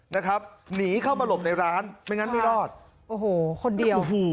นะครับหนีเข้ามาหลบในร้านไม่งั้นไม่รอดโอ้โหคนเดียวโอ้โห